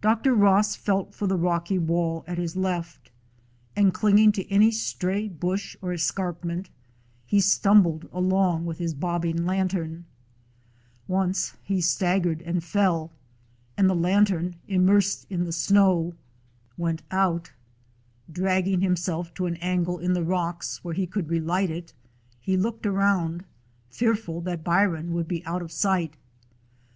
Dr. Ross felt for the rocky wall at his left, and clinging to any stray bush or escarpment, he stumbled along with his bobbing lantern. Once he staggered and fell, and the lantern, immersed in the snow, went 142 A DOG OF SCOTLAND out. Dragging himself to an angle in the rocks where he could relight it, he looked around, fearful that Byron would be out of sight.